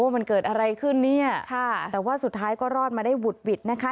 มันเกิดอะไรขึ้นเนี่ยค่ะแต่ว่าสุดท้ายก็รอดมาได้หวุดหวิดนะคะ